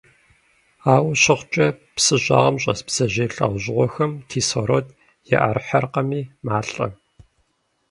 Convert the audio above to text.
Ауэ щыхъукӀэ, псы щӀагъым щӀэс бдзэжьей лӀэужьыгъуэхэм кислород яӀэрыхьэркъыми, малӀэ.